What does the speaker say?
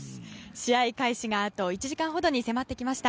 試合開始があと１時間ほどに迫ってきました。